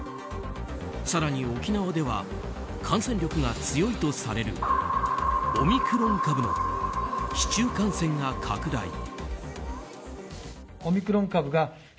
更に沖縄では感染力が強いとされるオミクロン株の市中感染が拡大。